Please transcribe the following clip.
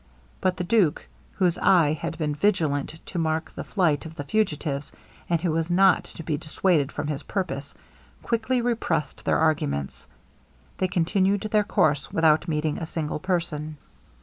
But the duke, whose eye had been vigilant to mark the flight of the fugitives, and who was not to be dissuaded from his purpose, quickly repressed their arguments. They continued their course without meeting a single person.